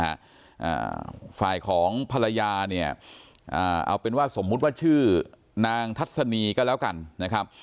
อ่าฝ่ายของภรรยาเนี่ยอ่าเอาเป็นว่าสมมุติว่าชื่อนางทัศนีก็แล้วกันนะครับ